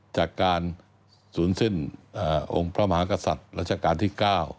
จากการศูนย์สิ้นองค์พระมหากษัตริย์รัชกาลที่๙